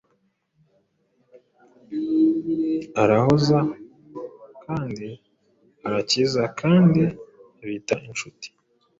arahoza kandi arakiza kandi abita inshuti.